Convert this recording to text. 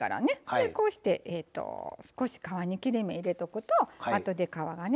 こうして少し皮に切り目入れとくとあとで皮がね